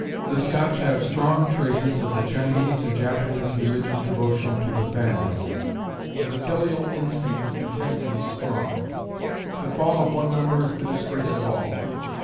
The Scotch have strong traces of the Chinese and Japanese religious devotion to "the family," and the filial instinct is intensely strong. The fall of one member is the disgrace of all.